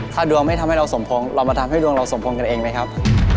ถ้าดวงไม่ทำให้เราสมพงษ์เรามาทำให้ดวงเราสมพงษ์กันเองไหมครับ